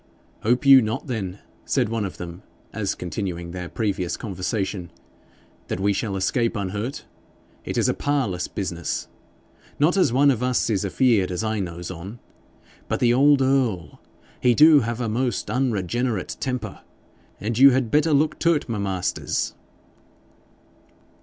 'Hope you then,' said one of them, as continuing their previous conversation, 'that we shall escape unhurt? It is a parlous business. Not as one of us is afeard as I knows on. But the old earl, he do have a most unregenerate temper, and you had better look to't, my masters.'